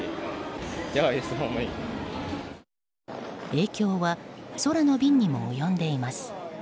影響は空の便にも及んでいます。